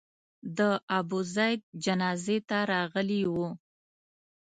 د ابوزید جنازې ته راغلي وو.